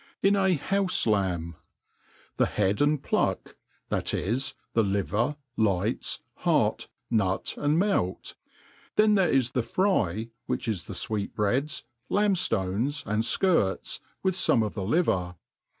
In a Houfe^Laml. THE head and pluck,, that is the liver,, lights, heart, nut; and melti Then there is the fry, which is the fweetbreads^ lamb ftones, and fkirts, with fome of the liver.